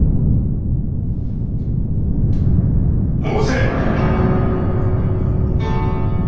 申せ！